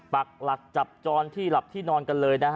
ปักหลักจับจนมาหลับที่นอนกันเลย